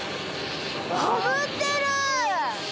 あぶってる！